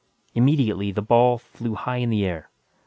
Immediately the ball flew high in the air.